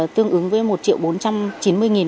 tương ứng với một triệu bốn trăm chín mươi nghìn